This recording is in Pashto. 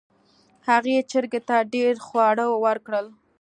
هغې چرګې ته ډیر خواړه ورکړل.